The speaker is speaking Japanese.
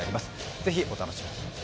ぜひお楽しみに。